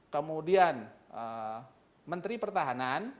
kemudian menteri pertahanan